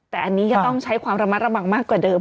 แต่อันนี้ก็ต้องใช้ความระมัดระวังมากกว่าเดิม